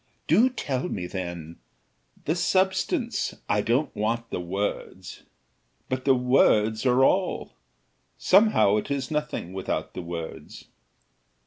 "Do tell me, then, the substance; I don't want the words." "But the words are all. Somehow it is nothing without the words."